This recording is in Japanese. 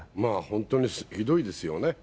本当にひどいですよね。